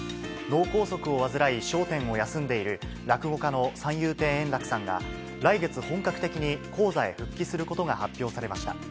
脳梗塞を患い、笑点を休んでいる、落語家の三遊亭円楽さんが、来月、本格的に高座へ復帰することが発表されました。